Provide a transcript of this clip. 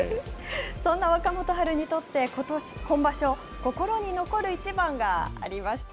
そんな若元春にとって今場所、心に残る一番がありました。